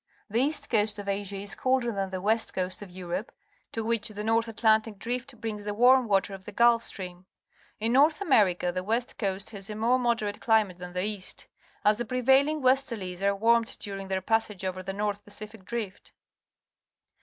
The east coast of Asia is colder than the west coast of Europe, to which the North Atlan tic Drift brings the warm water of the Gulf Stream. In North America the west coast has a more moderate climate than the east, as the prevailing westerlies are warmed during their passage over the North Pacific Drift.